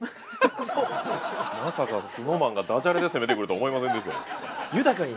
まさかＳｎｏｗＭａｎがダジャレで攻めてくるとは思いませんでしたよ。